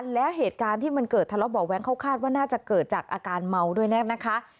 แล้วเหตุการณ์ที่มันเกิดทะเลาะเบาะแว้งเขาคาดว่าน่าจะเกิดจากอาการเมาด้วยแน่นะคะ